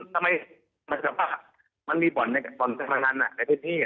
ทำไมมันจะฟามันมีปอนด์จำนานใดที่นี่